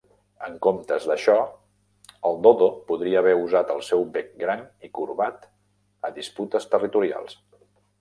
En comptes d'això, el dodo podria haver usat el seu bec gran i corbat a disputes territorials.